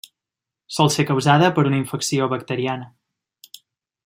Sol ser causada per una infecció bacteriana.